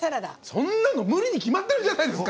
そんなの無理に決まってるじゃないですか！